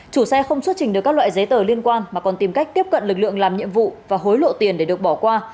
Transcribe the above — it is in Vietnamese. chủ xe không xuất trình được các loại giấy tờ liên quan mà còn tìm cách tiếp cận lực lượng làm nhiệm vụ và hối lộ tiền để được bỏ qua